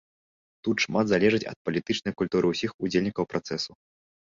Тут шмат залежыць ад палітычнай культуры ўсіх удзельнікаў працэсу.